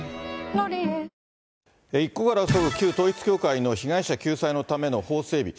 「ロリエ」一刻を争う旧統一教会の被害者救済のための法整備。